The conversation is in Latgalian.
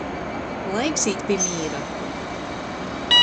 Laiks īt pi mīra!